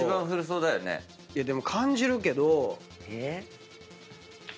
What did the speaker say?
でも感じるけど。え？